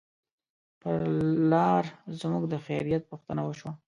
پر لار زموږ د خیریت پوښتنه وشوه.